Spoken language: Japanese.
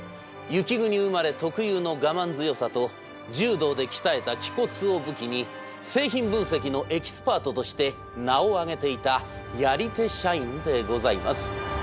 雪国生まれ特有の我慢強さと柔道で鍛えた気骨を武器に製品分析のエキスパートとして名を上げていたやり手社員でございます。